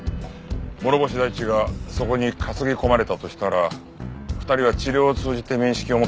諸星大地がそこに担ぎ込まれたとしたら２人は治療を通じて面識を持った可能性がある。